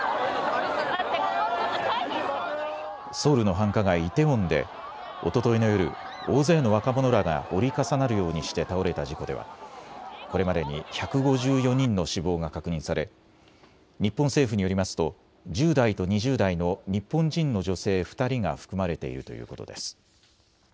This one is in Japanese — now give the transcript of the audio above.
ソウルの繁華街イテウォンでおとといの夜、大勢の若者らが折り重なるようにして倒れた事故ではこれまでに１５４人の死亡が確認され日本政府によりますと１０代と２０代の日本人の女性２人が含まれているということです。